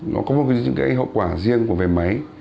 nó có một cái hậu quả riêng của về máy